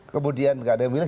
kemudian gak ada yang memilih